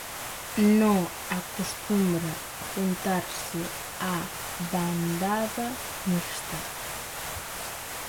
No acostumbra juntarse a bandada mixtas.